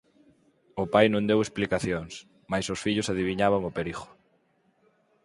O pai non deu explicacións, mais os fillos adiviñaban o perigo.